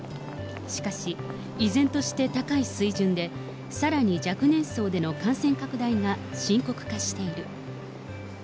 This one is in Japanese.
しかし依然として高い水準で、さらに若年層での感染拡大が深刻化している。